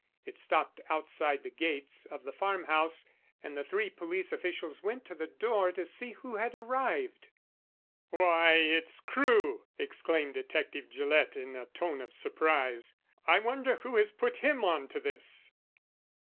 It stopped outside the gates of the farmhouse, and the three police officials went to the door to see who had arrived. "Why, it's Crewe!" exclaimed Detective Gillett, in a tone of surprise. "I wonder who has put him on to this?"